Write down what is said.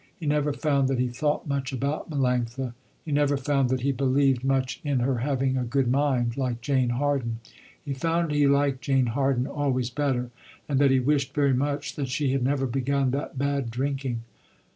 He never found that he thought much about Melanctha. He never found that he believed much in her having a good mind, like Jane Harden. He found he liked Jane Harden always better, and that he wished very much that she had never begun that bad drinking.